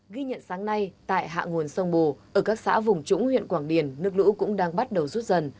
ghi nhận sáng nay tại hạ nguồn sông bồ ở các xã vùng trũng huyện quảng điền nước lũ cũng đang bắt đầu rút dần